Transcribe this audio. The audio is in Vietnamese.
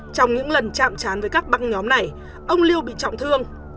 trong những lần chạm chán với các băng nhóm này ông lưu bị trọng thương